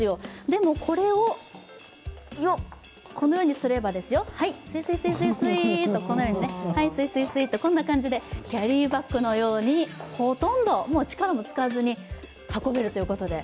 でも、これをこのようにすればスイスイスイとこのように、スイスイスイとこんな感じでキャリーバッグのようにほとんど、力も使わずに運べるということで。